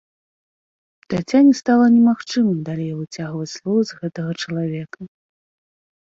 Таццяне стала немагчымым далей выцягваць словы з гэтага чалавека.